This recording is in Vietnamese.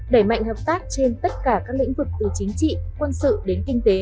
đẩy mạnh hợp tác trên tất cả các lĩnh vực từ chính trị quân sự đến kinh tế